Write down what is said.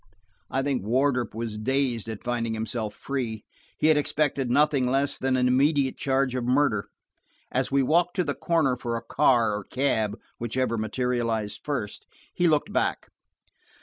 I think Wardrop was dazed at finding himself free; he had expected nothing less than an immediate charge of murder. As we walked to the corner for a car or cab, whichever materialized first, he looked back.